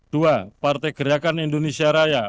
dua partai gerakan indonesia raya